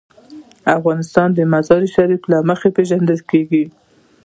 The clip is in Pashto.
افغانستان د مزارشریف له مخې پېژندل کېږي.